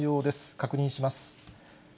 確認します。